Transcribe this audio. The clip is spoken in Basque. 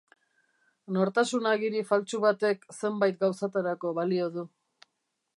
Nortasun agiri faltsu batek zenbait gauzatarako balio du.